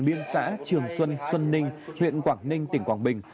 liên xã trường xuân xuân ninh huyện quảng ninh tỉnh quảng bình